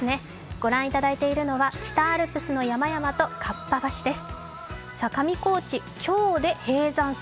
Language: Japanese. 御覧いただいているのは北アルプスの山々と河童橋です。